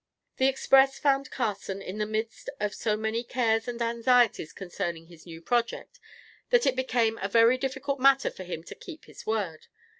The express found Carson in the midst of so many cares and anxieties concerning his new project, that it became a very difficult matter for him to keep his word.